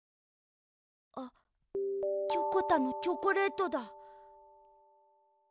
あっチョコタのチョコレートだ。